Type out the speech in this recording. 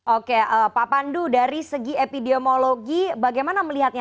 oke pak pandu dari segi epidemiologi bagaimana melihatnya